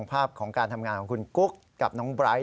ภาพของการทำงานของคุณกุ๊กกับน้องไบร์ท